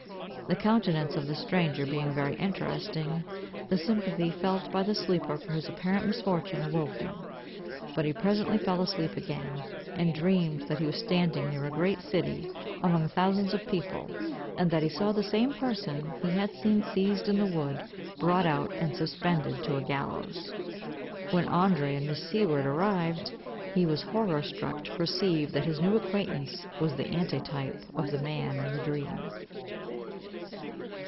The countenance of the stranger being very interesting, the sympathy felt by the sleeper for his apparent misfortune awoke him; but he presently fell asleep again, and dreamed that he was standing near a great city, among thousands of people, and that he saw the same person he had seen seized in the wood brought out and suspended to a gallows. When André and Miss Seward arrived, he was horror struck to perceive that his new acquaintance was the antitype of the man in the dream.